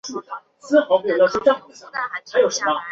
景山后街是位于中国北京市西城区东北部的一条大街。